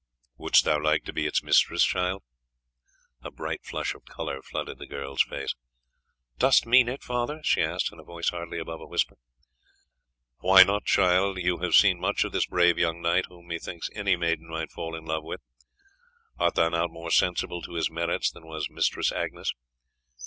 "Wouldst thou like to be its mistress, child?" A bright flush of colour flooded the girl's face. "Dost mean it, father?" she asked in a voice hardly above a whisper. "Why not, child? You have seen much of this brave young knight, whom, methinks, any maiden might fall in love with. Art thou not more sensible to his merits than was Mistress Agnes?"